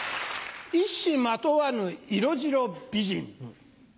一糸まとわぬ色白美人。